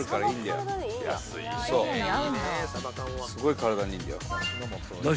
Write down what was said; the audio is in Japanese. すごい体にいいんだよ。